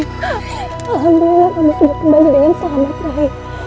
alhamdulillah kamu sudah kembali dengan selamat rai